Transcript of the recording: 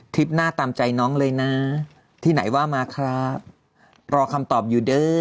หน้าตามใจน้องเลยนะที่ไหนว่ามาครับรอคำตอบอยู่เด้อ